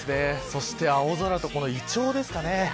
そして青空とイチョウですかね。